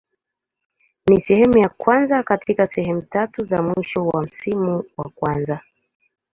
Ni sehemu ya kwanza katika sehemu tatu za mwisho za msimu wa kwanza.